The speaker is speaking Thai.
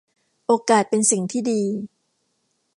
โอกาสเป็นสิ่งที่ดี